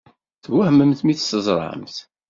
Twehmemt mi tt-teẓṛamt?